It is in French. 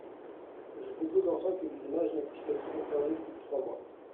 » Je propose enfin que les images ne puissent être conservées plus de trois mois.